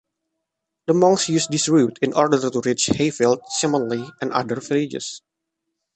The monks used this route in order to reach Hayfield, Simmondley and other villages.